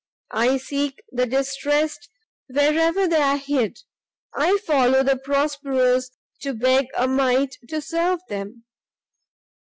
I seek the distressed where ever they are hid, I follow the prosperous to beg a mite to serve them.